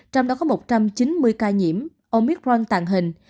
trong đó có một trăm chín mươi ca nhiễm omicront tàn hình